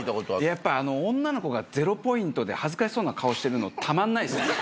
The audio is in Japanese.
やっぱ女の子が０ポイントで恥ずかしそうな顔してるのたまんないっすね。